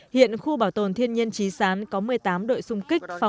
hiện khu bảo tồn thiên nhiên trí sán có một mươi tám đội xung kích